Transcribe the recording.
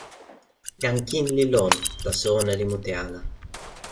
jan kin li lon. taso ona li mute ala.